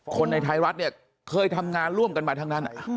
คนในไทยรัฐเนี่ยเคยทำงานร่วมกันมาทั้งนั้น